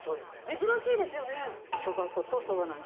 珍しいですよね。